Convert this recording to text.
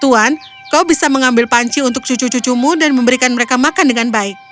tuhan kau bisa mengambil panci untuk cucu cucumu dan memberikan mereka makan dengan baik